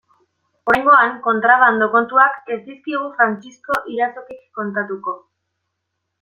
Oraingoan kontrabando kontuak ez dizkigu Frantzisko Irazokik kontatuko.